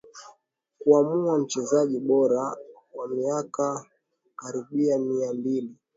Kuamua mchezaji bora wa miaka karibia mia mbili